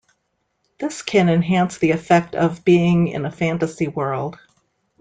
This can enhance the effect of being in a fantasy world.